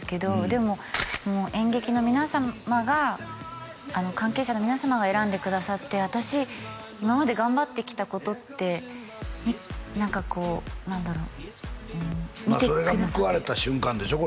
でも演劇の皆様が関係者の皆様が選んでくださって私今まで頑張ってきたことって何かこう何だろうそれが報われた瞬間でしょ？